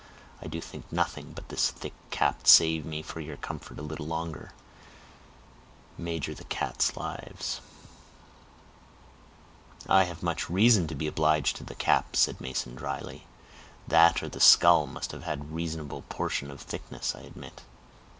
I do think nothing but this thick cap saved me for your comfort a little longer, maugre the cat's lives." "I have much reason to be obliged to the cap," said Mason dryly. "That or the skull must have had a reasonable portion of thickness, I admit."